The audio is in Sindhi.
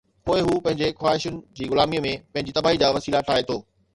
پوءِ هو پنهنجي خواهشن جي غلاميءَ ۾ پنهنجي تباهيءَ جا وسيلا ٺاهي ٿو.